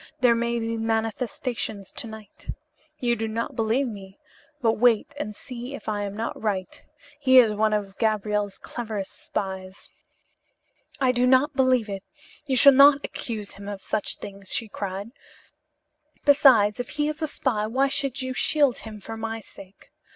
There may be manifestations to night. You do not believe me, but wait and see if I am not right. He is one of Gabriel's cleverest spies." "I do not believe it. You shall not accuse him of such things," she cried. "Besides, if he is a spy why should you shield him for my sake?